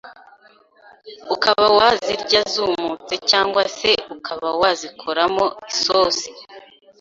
ukaba wazirya zumutse cyangwa se ukaba wazikoramo isosi